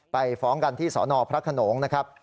ไปฟ้องกันที่สนพระขนงนะครับ